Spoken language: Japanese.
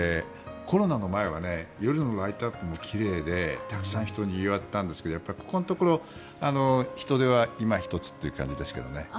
コロナの前は夜のライトアップも奇麗でたくさんの人でにぎわっていたんですがここのところ人出はいま一つという感じですけどね。